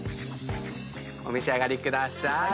お召し上がりください。